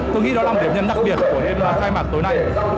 tôi nghĩ đó là một điểm nhấn đặc biệt của đêm khai mạc tối nay